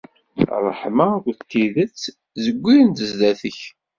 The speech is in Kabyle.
Ṛṛeḥma akked tidet, zewwirent sdat-k.